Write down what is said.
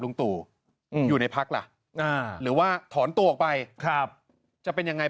ลุงตู่อยู่ในพักล่ะหรือว่าถอนตัวออกไปครับจะเป็นยังไง